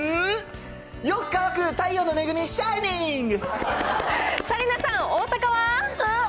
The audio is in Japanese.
よく乾く、太陽の恵み、シャイニング！